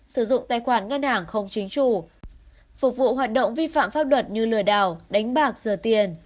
sử dụng tài khoản ngân hàng không chính chủ phục vụ hoạt động vi phạm pháp luật như lừa đảo đánh bạc rửa tiền